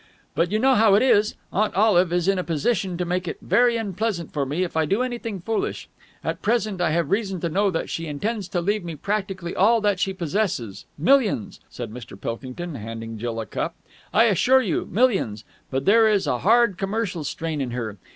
"But you know how it is. Aunt Olive is in a position to make it very unpleasant for me if I do anything foolish. At present, I have reason to know that she intends to leave me practically all that she possesses. Millions!" said Mr. Pilkington, handing Jill a cup. "I assure you, millions! But there is a hard commercial strain in her.